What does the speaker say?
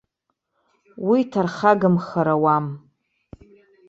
Уи ҭархагамхар ауам.